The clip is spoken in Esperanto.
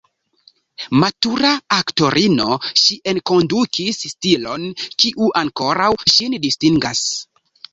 Matura aktorino, ŝi enkondukis stilon kiu ankoraŭ ŝin distingas.